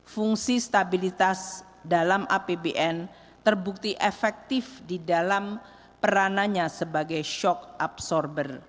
fungsi stabilitas dalam apbn terbukti efektif di dalam peranannya sebagai shock absorber